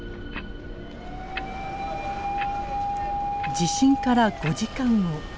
地震から５時間後。